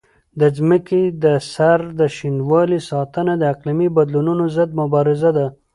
د ځمکې د سر د شینوالي ساتنه د اقلیمي بدلونونو ضد مبارزه ده.